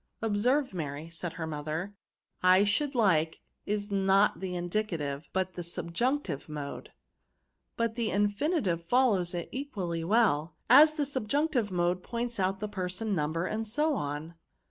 " Observe, Mary," said her mother, "/ should Uke is not the indicative but the sub junctive mode ; but the infinitive follows it equally well, as the subjunctive mode points out the person, number, and so on."